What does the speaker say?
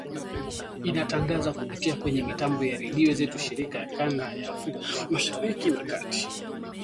Inatangaza kupitia pia kwenye mitambo ya redio zetu shirika za kanda ya Afrika Mashariki na Kati